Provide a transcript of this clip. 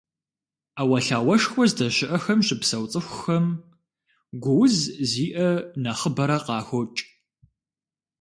Ӏэуэлъауэшхуэ здэщыӀэхэм щыпсэу цӏыхухэм гу уз зиӀэ нэхъыбэрэ къахокӏ.